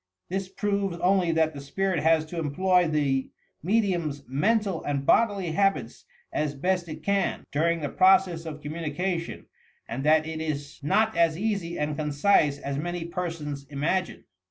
This proves only that the spirit has to employ the medium's mental and bodily habits as best it can, during the process of communication, and that it is not as easy and concise as many persons imagine.